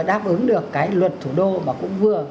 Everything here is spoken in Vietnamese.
đáp ứng được cái luật thủ đô mà cũng vừa